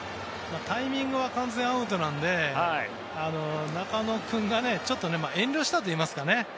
タイミングは完全にアウトなので中野君が、ちょっと遠慮したといいますか。